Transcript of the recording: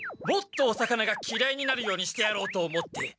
もっとお魚がきらいになるようにしてやろうと思って。